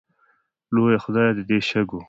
لویه خدایه د دې شګو